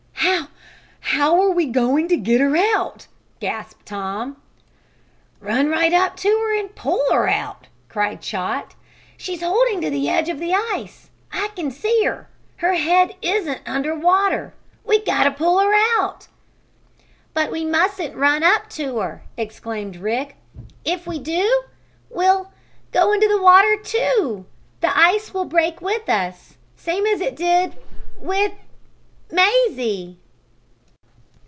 "How how we going to get her out?" gasped Tom. "Run right up to her and pull her out!" cried Chot. "She's holding to the edge of the ice. I can see her. Her head isn't under water! We got to pull her out!" "But we mustn't run up to her!" exclaimed Rick. "If we do we'll go in the water, too! The ice will break with us same as it did with Mazie!"